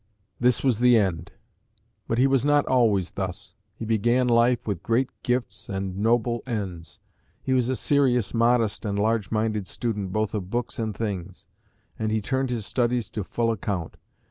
This was the end. But he was not always thus. He began life with great gifts and noble ends; he was a serious, modest, and large minded student both of books and things, and he turned his studies to full account.